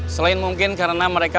selain mungkin karena mereka